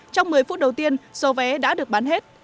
trong một mươi phút đầu tiên số vé đã được bán hết